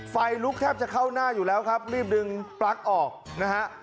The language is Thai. ไฟลุกแทบจะเข้าหน้าอยู่แล้วครับรีบดึงปลั๊กออกนะฮะ